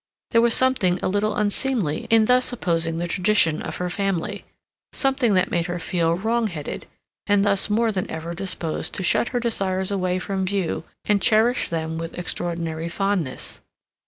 There was something a little unseemly in thus opposing the tradition of her family; something that made her feel wrong headed, and thus more than ever disposed to shut her desires away from view and cherish them with extraordinary fondness.